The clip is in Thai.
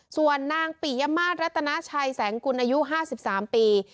ส่วนนางปิยามาศรัตนาชัยแสงกุลอายุห้าสิบสามปี